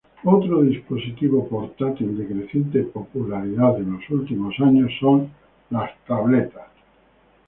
Otro dispositivo portátil de creciente popularidad en los últimos años son los tabletas.